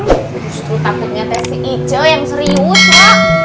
justru takutnya tese ice yang serius ya